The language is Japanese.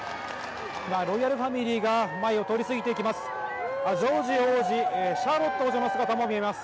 今、ロイヤルファミリーが通り過ぎていきます。